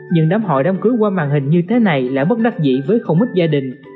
những đám họ đám cưới qua màn hình như thế này là bất đắc dĩ với không ít gia đình